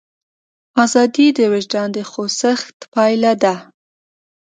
ازادي د وجدان د خوځښت پایله ده.